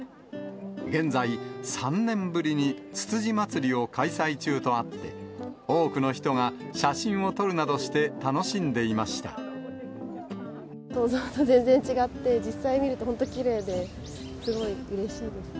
現在、３年ぶりにつつじまつりを開催中とあって、多くの人が写真を撮る想像と全然違って、実際見ると本当きれいで、すごいうれしいです。